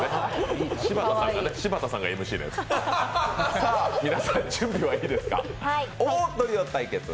柴田さんがＭＣのやつ。